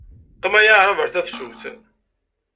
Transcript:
Qqim a yaɛṛab ar tefsut.